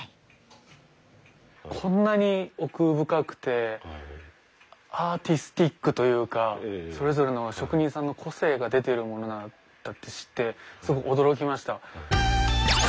こんなに奥深くてアーティスティックというかそれぞれの職人さんの個性が出ているものなんだって知ってすごく驚きました。